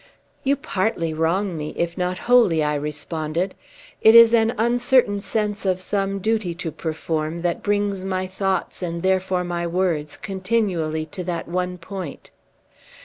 "You partly wrong me, if not wholly," I responded. "It is an uncertain sense of some duty to perform, that brings my thoughts, and therefore my words, continually to that one point."